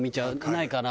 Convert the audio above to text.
ないかな？